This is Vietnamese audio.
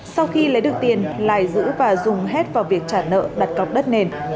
sau khi lấy được tiền lài giữ và dùng hết vào việc trả nợ đặt cọc đất nền